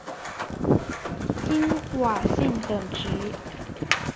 金丸信等职。